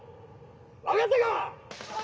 分かったか！」。